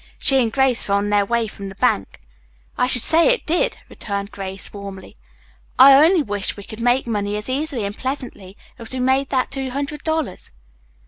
She and Grace were on their way from the bank. "I should say it did," returned Grace warmly. "I only wish we could always make money as easily and pleasantly as we made that two hundred dollars."